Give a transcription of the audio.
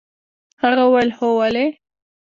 هغه وويل هو ولې.